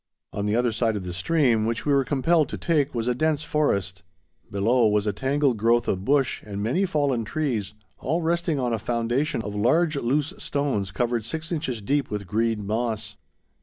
On the other side of the stream, which we were compelled to take, was a dense forest. Below was a tangled growth of bush, and many fallen trees, all resting on a foundation of large loose stones covered six inches deep with green moss.